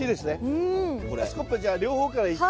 スコップじゃあ両方から一気に。